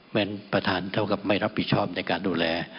เพราะฉะนั้นประธานเท่ากับไม่รับผิดชอบในการดูแล